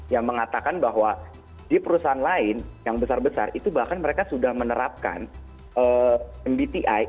yang mengatakan bahwa di perusahaan lain yang besar besar itu bahkan mereka sudah menerapkan mbti